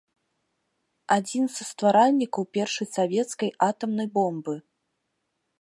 Адзін са стваральнікаў першай савецкай атамнай бомбы.